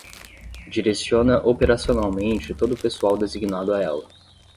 Direciona operacionalmente todo o pessoal designado a ela.